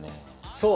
そう！